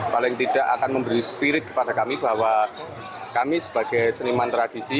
paling tidak akan memberi spirit kepada kami bahwa kami sebagai seniman tradisi